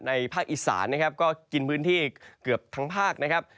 ภาคอีสานนะครับก็กินพื้นที่เกือบทั้งภาคนะครับ